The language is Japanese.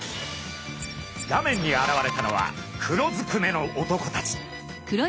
画面に現れたのは黒ずくめの男たち。